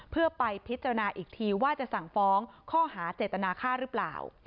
เพื่อไปพิจารณาอีกทีว่าจะสั่งฟ้องข้อหาเจตนาค่าหรือเปล่า